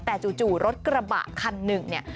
แต่จู่รถกระบะคันหนึ่งเนี่ย